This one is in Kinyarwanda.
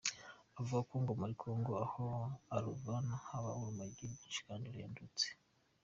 Avuga ko ngo muri Kongo aho aruvana haba urumogi rwinshi kandi ruhendutse.